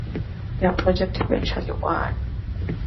Their project eventually won.